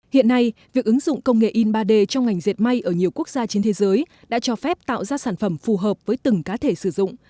hiện nay việc ứng dụng công nghệ in ba d trong ngành dệt may ở nhiều quốc gia trên thế giới đã cho phép tạo ra sản phẩm phù hợp với từng cá thể sử dụng